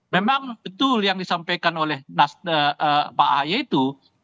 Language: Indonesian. memang betul yang disampaikan oleh pak ahy itu